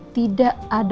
tidak ada maksud anda